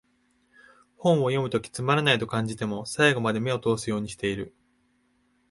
本を読むときつまらないと感じても、最後まで目を通すようにしてる